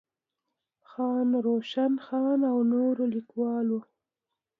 خان روشن خان او نورو ليکوالو